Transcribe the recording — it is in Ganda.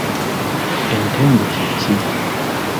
Entembo kye kki?